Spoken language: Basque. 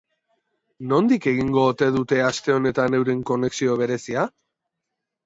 Nondik egingo ote dute aste honetan euren konexio berezia?